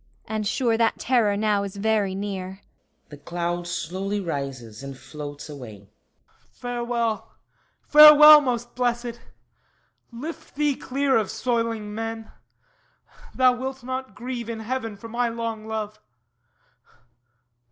And sure that Terror now is very near. [The cloud slowly rises and floats away.] HIPPOLYTUS Farewell, farewell, most Blessèd! Lift thee clear Of soiling men! Thou wilt not grieve in heaven For my long love!